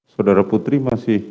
saudara putri masih